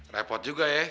repot juga ya